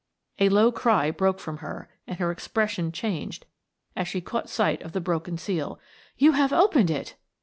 A low cry broke from her, and her expression changed as she caught sight of the broken seal. "You have opened it!"